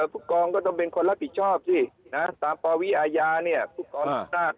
ผู้กองก็ต้องเป็นคนรับผิดชอบสินะตามปรวิอาญาเนี้ยอ่า